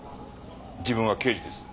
自分は刑事です。